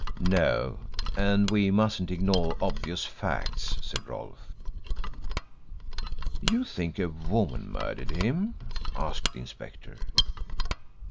"No, and we mustn't ignore obvious facts," said Rolfe. "You think a woman murdered him?" asked the inspector.